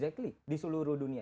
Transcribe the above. exactly di seluruh dunia